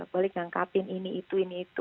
boleh ngangkatin ini itu ini itu